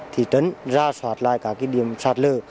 thị trấn ra soát lại các điểm sạt lở